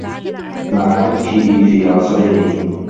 مَعَ هَتْكِهِ فِي عَصْرِهِ